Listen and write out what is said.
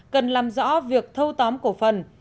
cần làm rõ việc thâu tóm cổ phần